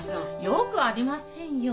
よくありませんよ！